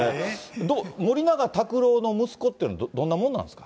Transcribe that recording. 森永卓郎の息子っていうのは、どんなもんなんですか？